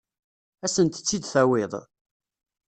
Ad asent-tt-id-tawiḍ?